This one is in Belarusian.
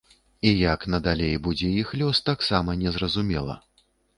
І які надалей будзе іх лёс, таксама незразумела.